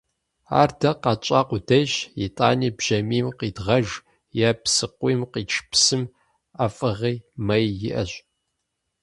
Ар дэ къэтщӀа къудейщ, итӀани бжьамийм къидгъэж е псыкъуийм къитш псым ӀэфӀыгъи, мэи иӀэщ.